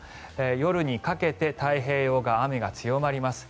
夜にかけて太平洋側、雨が強まります。